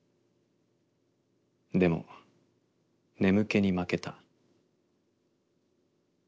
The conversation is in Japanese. でも眠気に負けた。